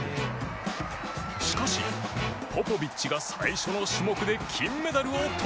しかしポポビッチが最初の種目で金メダルを取ると